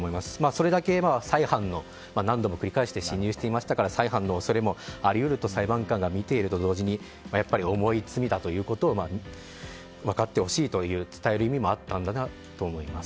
それだけ、何度も繰り返して侵入していましたから再犯の恐れもあり得ると裁判官がみていると同時に重い罪だということを分かってほしいと伝える意味もあったと思います。